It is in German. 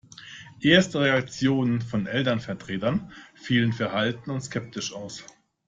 Erste Reaktionen von Elternvertretern fielen verhalten und skeptisch aus.